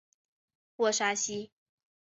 沃沙西。